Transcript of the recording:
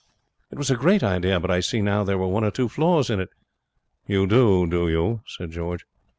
It was a great idea, but I see now there were one or two flaws in it.' 'You do, do you?' said George.